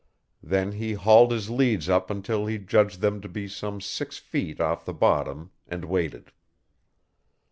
Then he hauled his leads up until he judged them to be some six feet off the bottom and waited.